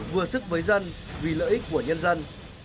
vừa sức với dân vì lợi ích của nhân dân